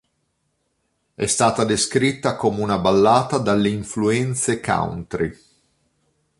È stata descritta come una ballata dalle influenze country.